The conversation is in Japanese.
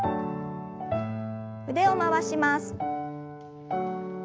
腕を回します。